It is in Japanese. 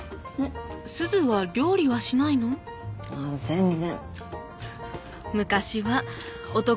ああ全然。